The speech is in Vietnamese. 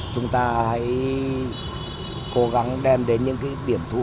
chúng ta hãy cố gắng đem đến những điểm thu gom